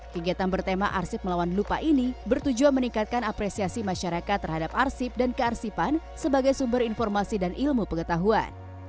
kegiatan bertema arsip melawan lupa ini bertujuan meningkatkan apresiasi masyarakat terhadap arsip dan kearsipan sebagai sumber informasi dan ilmu pengetahuan